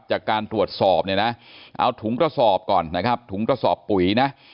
จากการตรวจสอบเนี่ยนะเอาถุงกระสอบก่อนนะครับถุงกระสอบปุ๋ยนะ